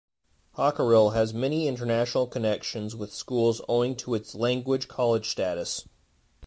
Hockerill has many international connections with schools owing to its Language College status.